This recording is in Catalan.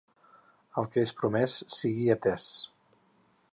El que és promès sigui atès.